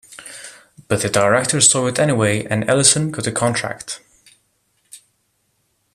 But the director saw it anyway and Ellison got a contract.